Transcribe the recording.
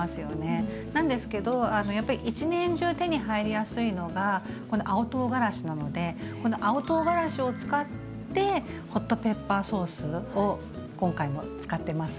なんですけどやっぱり一年中手に入りやすいのがこの青とうがらしなのでこの青とうがらしを使ってホットペッパーソースを今回も使ってます。